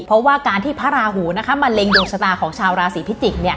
เพราะว่าการที่พระราหูมะเร็งดวงชะตาของชาวราศีพิจิกษ์